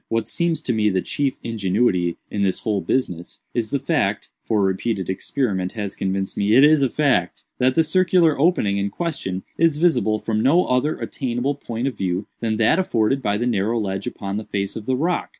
What seems to me the chief ingenuity in this whole business, is the fact (for repeated experiment has convinced me it is a fact) that the circular opening in question is visible from no other attainable point of view than that afforded by the narrow ledge upon the face of the rock.